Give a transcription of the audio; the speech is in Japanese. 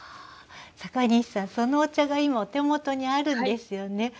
阪西さんそのお茶が今お手元にあるんですよね。